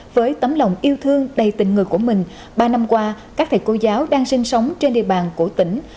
với tấm lòng yêu thương đầy tình người của mình ba năm qua các thầy cô giáo đang sinh sống trên địa bàn của tỉnh